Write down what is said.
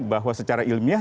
bahwa secara ilmiah